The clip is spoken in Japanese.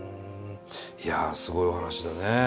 いやすごいお話だね。